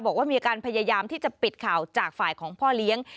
บอกว่ามีอาการพยายามที่จะปิดข่าวจากฝ่ายของพ่อเลี้ยง